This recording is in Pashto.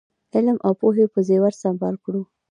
علم او پوهې په زېور سمبال کړو.